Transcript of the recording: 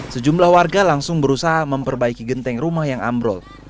sejumlah warga langsung berusaha memperbaiki genteng rumah yang ambrol